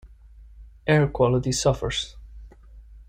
Air quality suffers.